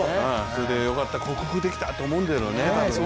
それで、よかった、克服できたって思うんだろうね。